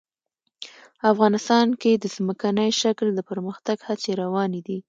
افغانستان کې د ځمکنی شکل د پرمختګ هڅې روانې دي.